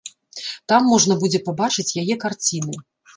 Там можна будзе пабачыць яе карціны.